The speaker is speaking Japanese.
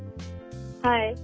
はい。